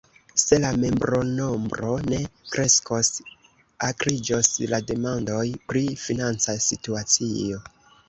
Se la membronombro ne kreskos, akriĝos la demandoj pri financa situacio.